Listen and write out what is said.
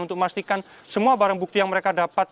untuk memastikan semua barang bukti yang mereka dapat